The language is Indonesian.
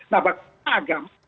nah bagaimana agama